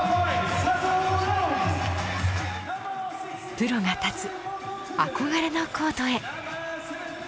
プロが立つ憧れのコートへ。